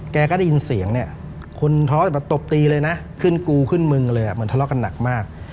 แกก็ได้ยินเสียงเนี่ยคนท้อแต่ตบตีเลยนะขึ้นกูขึ้นมึงเลยมันทะเลาะกันหนักมาก